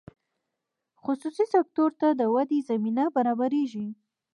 خصوصي سکتور ته د ودې زمینه برابریږي.